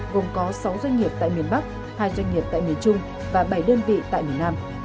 gồm có sáu doanh nghiệp tại miền bắc hai doanh nghiệp tại miền trung và bảy đơn vị tại miền nam